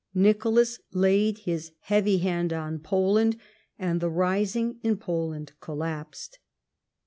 Nicholas laid his heavy hand on Poland, and the rising in Poland collapsed.